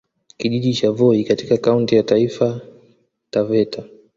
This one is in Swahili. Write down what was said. Kijiji cha Voi katika Kaunti ya Taifa Taveta